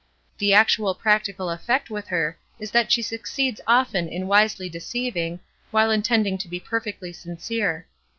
The actual practical effect with her is that she succeeds often in wisely deceiving, while intending to be perfectly sincere.